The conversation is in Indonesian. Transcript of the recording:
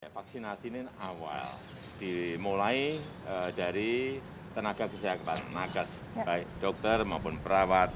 vak itulah sini awal dimulai dari tenaga kesehatan makas baik dokter maupun perawat